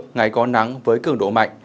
ngày có nắng với cứng độ mạnh